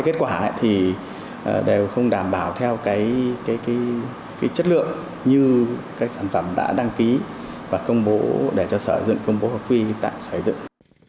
kết quả thì đều không đảm bảo theo chất lượng như các sản phẩm đã đăng ký và công bố để cho sở dựng công bố hợp quy tạm xây dựng